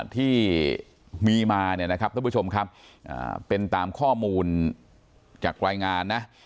ที่มีมาเนี่ยนะครับท่านผู้ชมครับเป็นตามข้อมูลจากรายงานนะ